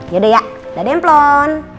ya udah ya dada emplon